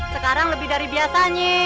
sekarang lebih dari biasanya